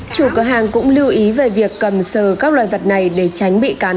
chủ cửa hàng cũng lưu ý về việc cầm sờ các loài vật này để tránh bị cắn